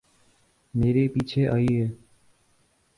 میرے پیچھے آییے